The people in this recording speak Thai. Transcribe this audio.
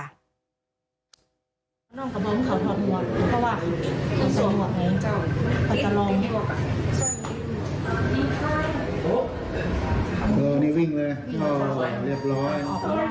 พอมันวิ่งออกไปก็น้องพูดอะไรไหม